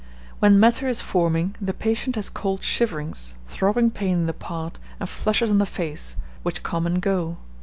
When matter is forming, the patient has cold shiverings, throbbing pain in the part, and flushes on the face, which come and go.